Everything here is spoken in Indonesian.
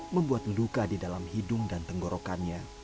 membuat luka di dalam hidung dan tenggorokannya